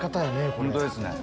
本当ですね。